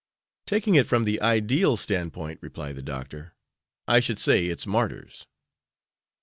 "Taking it from the ideal standpoint," replied the doctor, "I should say its martyrs."